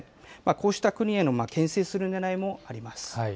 こうした国へのけん制するねらいもあります。